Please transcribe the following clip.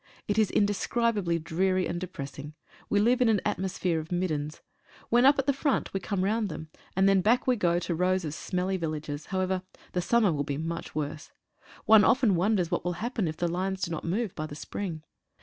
It is indescribably dreary and depressing. We live in an atmosphere of "middens. ' r When up at the front we came round them, and then back we go to rows of smelly villages. However, the summer will be much worse. One often wonders what will happen if the lines do not move by the spring.